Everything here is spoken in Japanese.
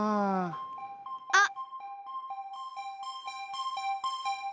あっ！